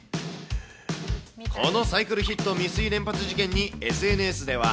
このサイクルヒット未遂連発事件にＳＮＳでは。